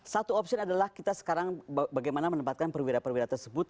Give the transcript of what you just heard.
satu opsi adalah kita sekarang bagaimana menempatkan perwira perwira tersebut